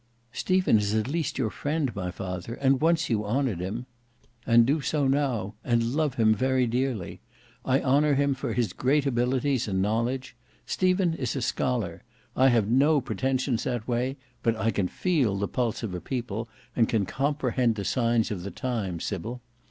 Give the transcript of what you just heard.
"Stephen is at least your friend, my father; and once you honoured him." "And do so now; and love him very dearly. I honour him for his great abilities and knowledge. Stephen is a scholar; I have no pretensions that way; but I can feel the pulse of a people, and can comprehend the signs of the times, Sybil.